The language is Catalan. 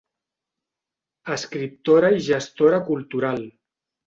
Escriptora i gestora cultural.